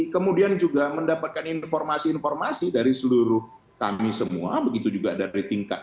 kemudian juga mendapatkan informasi informasi dari seluruh kami semua begitu juga dari tingkat